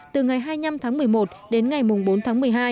từ ngày hai mươi năm tháng một mươi một đến ngày bốn tháng một mươi hai